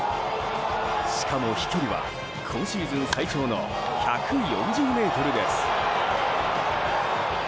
しかも、飛距離は今シーズン最長の１４０ｍです。